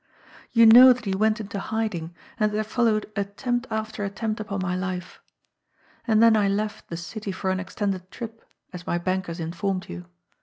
You know that he went into hiding, and that there followed attempt after attempt upon my life. And then I 'left the city for an extended trip/ as my bankers informed you.